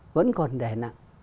vẫn còn đè nặng